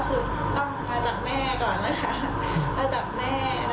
สำหรับกระเช้าบร่วงไม้พระราชชานะคะ